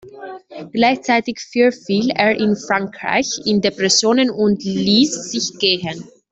Gleichzeitig verfiel er in Frankreich in Depressionen und ließ sich gehen.